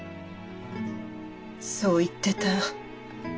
そう言ってた。